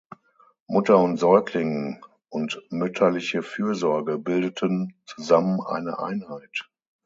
Mutter und Säugling und mütterliche Fürsorge bildeten zusammen eine Einheit.